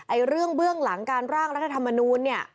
เรื่องเบื้องหลังการร่างรัฐธรรมนูลเนี่ย